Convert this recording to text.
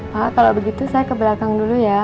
maka kalau begitu saya ke belakang dulu ya